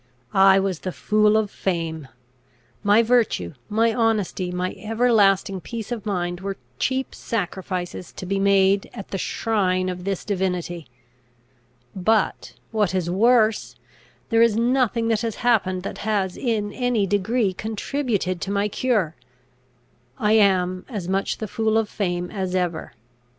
I was the fool of fame. My virtue, my honesty, my everlasting peace of mind, were cheap sacrifices to be made at the shrine of this divinity. But, what is worse, there is nothing that has happened that has in any degree contributed to my cure. I am as much the fool of fame as ever.